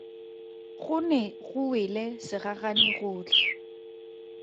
Go ne go wele segagane gotlhe.